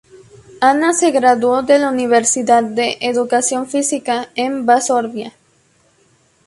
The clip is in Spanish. Anna se graduó de la Universidad de Educación Física en Varsovia.